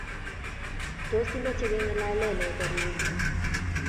Tos, imache kengalale noto nguno?